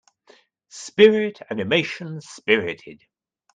Spirit animation Spirited.